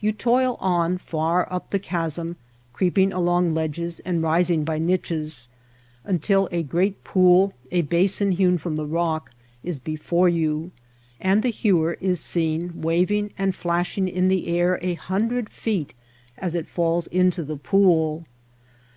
You toil on far up the chasm, creeping along ledges and rising by niches, until a great pool, a basin hewn from the rock, is before you ; and the hewer is seen waving and flash ing in the air a hundred feet as it falls into the pool.